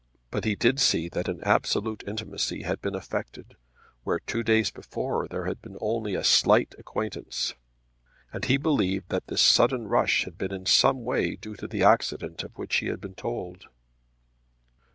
But he did see that an absolute intimacy had been effected where two days before there had only been a slight acquaintance; and he believed that this sudden rush had been in some way due to the accident of which he had been told.